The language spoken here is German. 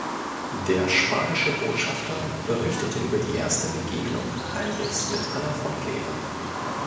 Der spanische Botschafter berichtete über die erste Begegnung Heinrichs mit Anna von Kleve.